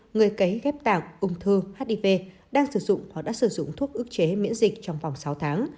người cấy ghép tảo ung thư hiv đang sử dụng hoặc đã sử dụng thuốc ức chế miễn dịch trong vòng sáu tháng